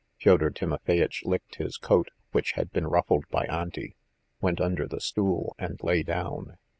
Fyodor Timofeyitch licked his coat which had been ruffled by Auntie, went under the stool, and lay down.